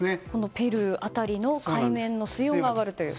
ペルー辺りの海面の水温が上がるという。